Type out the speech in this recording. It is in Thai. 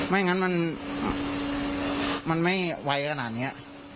ไม่งั้นมันไม่ไวขนาดนี้